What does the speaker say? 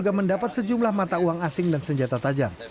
juga mendapat sejumlah mata uang asing dan senjata tajam